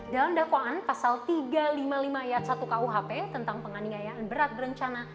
dalam dakwaan pasal tiga ratus lima puluh lima ayat satu kuhp tentang penganiayaan berat berencana